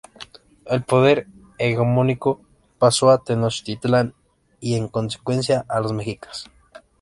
El poder hegemónico pasó a Tenochtitlan y, en consecuencia, a los mexicas.